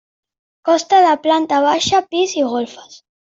Costa de planta baixa, pis i golfes.